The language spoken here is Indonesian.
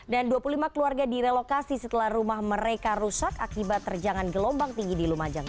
dan dua puluh lima keluarga direlokasi setelah rumah mereka rusak akibat terjangan gelombang tinggi di lumajang